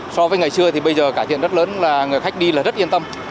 so với ngày xưa thì bây giờ cải thiện rất lớn là người khách đi rất yên tâm